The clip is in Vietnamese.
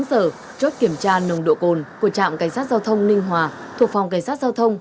một mươi chín h chốt kiểm tra nồng độ cồn của trạm cảnh sát giao thông ninh hòa thuộc phòng cảnh sát giao thông